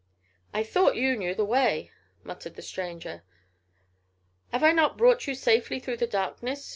"I thought you knew the way," muttered the stranger. "'Ave I not brought you safely through the darkness?"